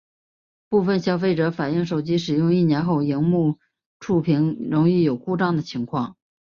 部份消费者反应手机使用一年后萤幕触控容易有故障的情况。